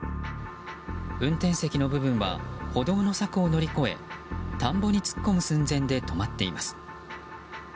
運転席の部分は歩道の柵を乗り越え田んぼに突っ込む寸前で止まっています。